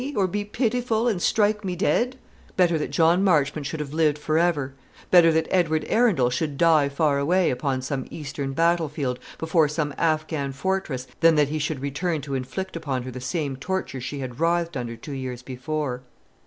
or be pitiful, and strike me dead!" Better that John Marchmont should have lived for ever, better that Edward Arundel should die far away upon some Eastern battle field, before some Affghan fortress, than that he should return to inflict upon her the same tortures she had writhed under two years before.